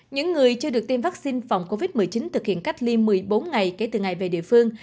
những người chưa được tiêm vaccine phòng covid một mươi chín thực hiện cách ly một mươi bốn ngày kể từ ngày về địa phương